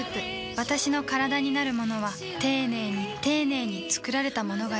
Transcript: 私のカラダになるものは丁寧に丁寧に作られたものがいい